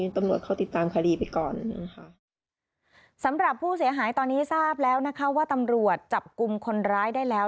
สำหรับผู้เสียหายตอนนี้ทราบแล้วนะคะว่าตำรวจจับกลุ่มคนร้ายได้แล้ว